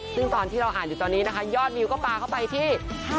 ซึ่งตอนที่เราอ่านอยู่ตอนนี้นะคะยอดวิวก็ปลาเข้าไปที่